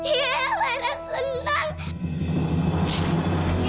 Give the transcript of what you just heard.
iya lara senang